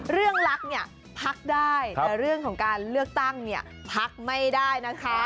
รักเนี่ยพักได้แต่เรื่องของการเลือกตั้งเนี่ยพักไม่ได้นะคะ